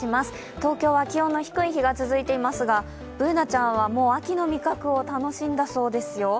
東京は気温の低い日が続いていますがＢｏｏｎａちゃんはもう秋の味覚を楽しんだそうですよ。